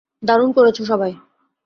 দারুণ করেছ, সবাই।